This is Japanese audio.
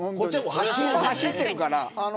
走ってるから。